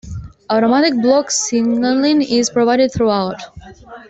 Automatic block signalling is provided throughout.